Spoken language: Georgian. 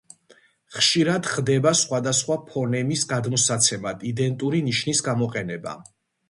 ხშირად ხდება სხვადასხვა ფონემის გადმოსაცემად იდენტური ნიშნის გამოყენება.